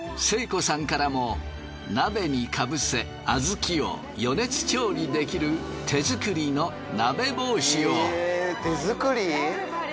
聖子さんからも鍋にかぶせ小豆を余熱調理できる手作りの鍋帽子を。